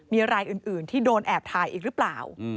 มีรายอื่นที่โดนแอบถ่ายอีกหรือเปล่า